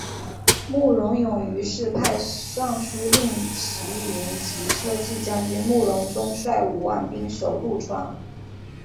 慕容永于是派尚书令刁云及车骑将军慕容钟率五万兵守潞川。